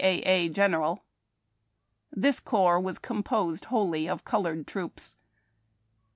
A. General. This corps was composed wlioU}^ of colored troops.